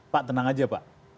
pak tenang aja pak